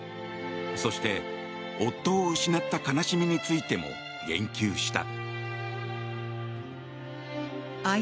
そして、夫を失った悲しみについても言及した。